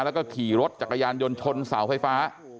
แล้วก็ขี่รถจักรยานยนต์ชนเสาไฟฟ้า